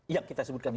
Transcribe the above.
yang kita sebutkan tadi